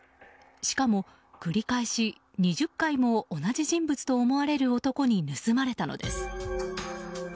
しかも、繰り返し２０回も同じ人物と思われる男に盗まれたのです。